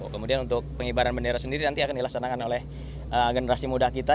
kemudian untuk pengibaran bendera sendiri nanti akan dilaksanakan oleh generasi muda kita